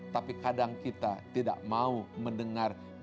tapi kadang kita tidak mau mendengar